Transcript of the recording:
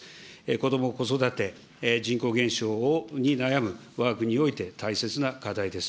こども・子育て、人口減少に悩むわが国において、大切な課題です。